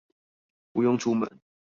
不用出門